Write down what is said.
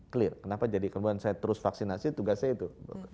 clear kenapa jadi kemudian saya terus vaksinasi tugasnya itu